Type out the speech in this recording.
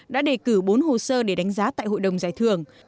đã đề cử bốn hồ sơ để đánh giá tại hội đồng giải thưởng